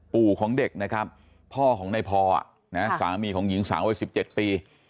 ปู่ของเด็กนะครับพ่อของในพอสามีของหญิงสาววัย๑๗ปี